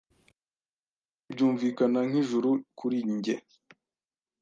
Nukuri byumvikana nkijuru kuri njye